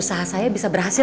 ya sudah si empresari